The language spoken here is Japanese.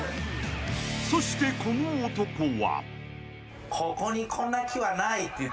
［そしてこの男は］